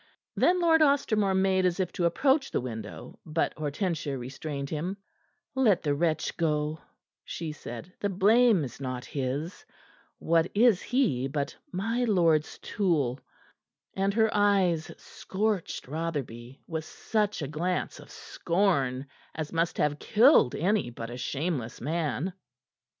Then Lord Ostermore made as if to approach the winnow, but Hortensia restrained him. "Let the wretch go," she said. "The blame is not his. What is he but my lord's tool?" And her eyes scorched Rotherby with such a glance of scorn as must have killed any but a shameless man.